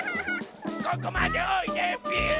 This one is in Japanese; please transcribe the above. ここまでおいでびゅん！